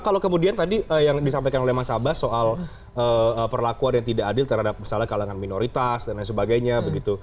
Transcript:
kalau kemudian tadi yang disampaikan oleh mas abbas soal perlakuan yang tidak adil terhadap misalnya kalangan minoritas dan lain sebagainya begitu